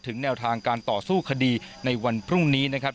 แนวทางการต่อสู้คดีในวันพรุ่งนี้นะครับ